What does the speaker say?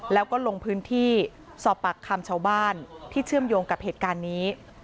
แล้วก็ลงพื้นที่สอบปากคำชาวบ้านที่เชื่อมโยงกับเหตุการณ์นี้